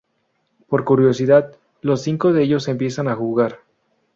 Por curiosidad, los cinco de ellos empieza a jugar.